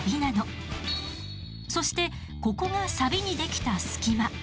そしてここがサビにできた隙間。